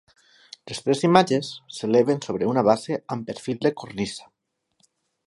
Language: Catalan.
Les tres imatges s'eleven sobre una base amb perfil de cornisa.